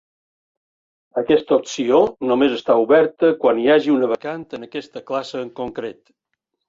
Aquesta opció només està oberta quan hi hagi una vacant en aquesta classe en concret.